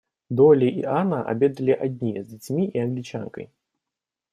Долли и Анна обедали одни с детьми и Англичанкой.